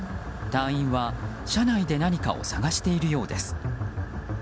隊員は車内で何かを探しているようです。